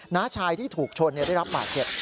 น้าชายที่ถูกชนได้รับบาดเจ็บ